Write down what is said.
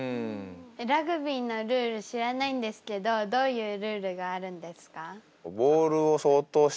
ラグビーのルール知らないんですけどどういうルールがあるんですか？